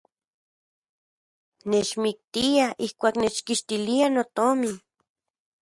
Nechmiktiaj ijkuak nechkixtiliaj notomin.